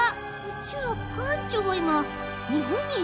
じゃあ館長は今日本にいるのかな？